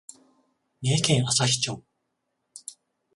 三重県朝日町